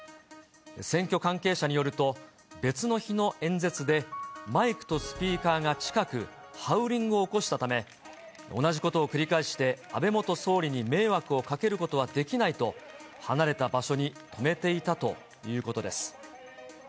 選挙関係者によると、別の日の演説でマイクとスピーカーが近く、ハウリングを起こしたため、同じことを繰り返して、安倍元総理に迷惑をかけることはできないと、離れた場所に止めていたということです。